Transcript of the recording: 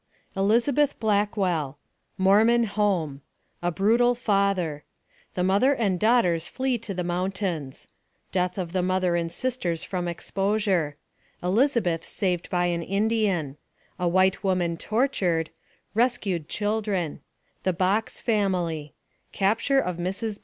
ELIZABETH BLACKWELL MORMON HOME A BRUTAL FATHER THE MOTHER AND DAUGHTERS FLEE TO THE MOUNTAINS DEATH OP THE MOTHER AND SISTERS FROM EXPOSURE ELIZABETH SAVED BY AN INDIAN A WHITE WOMAN TORTURED RESCUED CHILDREN THE BOXX FAMILY CAPTURE OF MRS.